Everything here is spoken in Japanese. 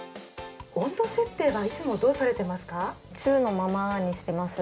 温度設定はいつもどうされてますか？